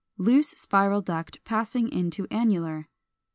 Loose spiral duct passing into annular.